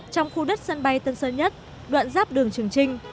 trong khu đất sân bay tân sơn nhất đoạn giáp đường trường trinh